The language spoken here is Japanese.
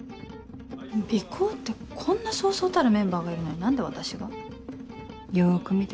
尾行ってこんなそうそうたるメンバーがいるのに何で私が？よく見てごらん。